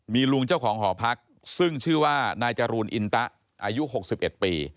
มีลุงเจ้าของหอพักซึ่งชื่อว่านายจรูนอินตะอายุ๖๑ปี